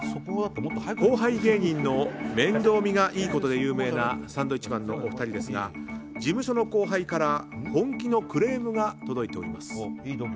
後輩芸人の面倒見がいいことで有名なサンドウィッチマンのお二人ですが事務所の後輩から本気のクレームが届いております。